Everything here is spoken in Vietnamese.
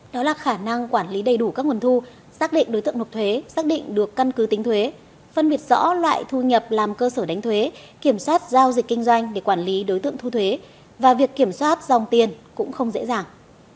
đó là khả năng quản lý đầy đủ các nguồn thu xác định đối tượng nộp thuế xác định được căn cứ tính thuế phân biệt rõ loại thu nhập làm cơ sở đánh thuế kiểm soát giao dịch kinh doanh để quản lý đối tượng thu thuế và việc kiểm soát dòng tiền cũng không dễ dàng